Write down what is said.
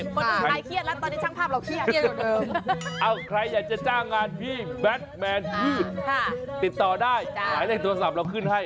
คนอื่นคลายเครียดแล้วตอนนี้ช่างภาพเราเครียดอยู่เดิมอ้าวใครอยากจะจ้างงานพี่แบทแมนติดต่อได้หลายโทรศัพท์เราขึ้นให้